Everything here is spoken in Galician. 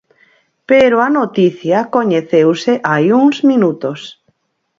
Pero a noticia coñeceuse hai uns minutos.